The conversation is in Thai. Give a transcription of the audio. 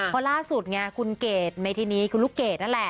เพราะล่าสุดไงคุณเกดเมธินีคุณลูกเกดนั่นแหละ